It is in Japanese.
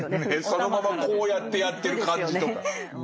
そのままこうやってやってる感じとか。